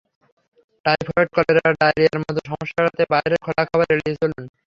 Typhoid, cholera, ডায়রিয়ার মতো সমস্যা এড়াতে বাইরের খোলা খাবার এড়িয়ে চলুন।